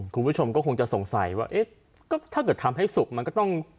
คุณผู้ชมก็คงจะสงสัยว่าเอ๊ะก็ถ้าเกิดทำให้สุกมันก็ต้อง